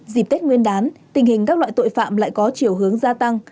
dịp tết nguyên đán tình hình các loại tội phạm lại có chiều hướng gia tăng